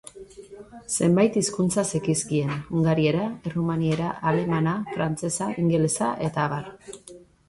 Zenbait hizkuntza zekizkien: hungariera, errumaniera, alemana, frantsesa, ingelesa eta abar.